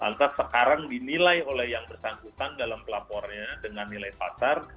lantas sekarang dinilai oleh yang bersangkutan dalam pelapornya dengan nilai pasar